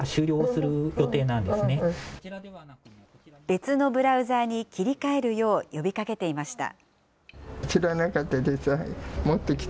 別のブラウザーに切り替えるよう呼びかけていました。